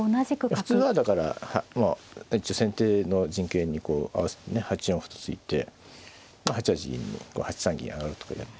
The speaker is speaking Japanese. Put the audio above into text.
普通はだから先手の陣形にこう合わせてね８四歩と突いて８八銀に８三銀上がるとかやって。